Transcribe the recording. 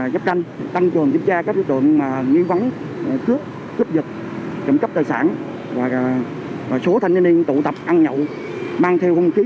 với công an địa phương kịp thời trấn áp khi phát hiện đối tượng khả nghi